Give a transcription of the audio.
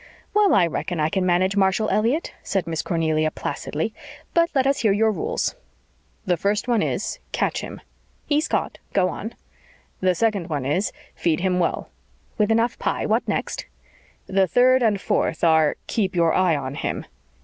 "Well, I reckon I can manage Marshall Elliott," said Miss Cornelia placidly. "But let us hear your rules." "The first one is, catch him." "He's caught. Go on." "The second one is, feed him well." "With enough pie. What next?" "The third and fourth are keep your eye on him."